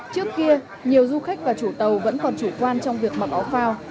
trước kia nhiều du khách và chủ tàu vẫn còn chủ quan trong việc mặc áo phao